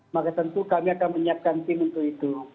maka tentu kami akan menyiapkan tim untuk itu